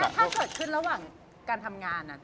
ถ้าเกิดขึ้นระหว่างการทำงาน